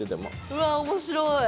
うわ面白い。